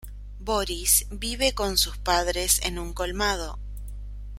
Boris vive con sus padres en un colmado.